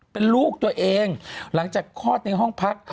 เป็นลูกตัวเองหลังจากคลอดในห้องพัก